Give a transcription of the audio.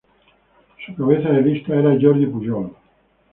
Su cabeza de lista era Jordi Pujol.